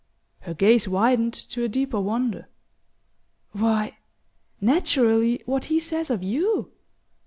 Her gaze widened to a deeper wonder. "Why naturally, what he says of you!"